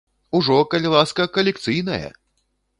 Ужо, калі ласка, калекцыйнае!